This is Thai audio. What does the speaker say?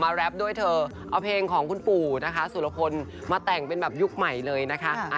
แรปด้วยเธอเอาเพลงของคุณปู่นะคะสุรพลมาแต่งเป็นแบบยุคใหม่เลยนะคะ